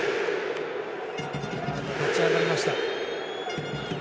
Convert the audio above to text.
立ち上がりました。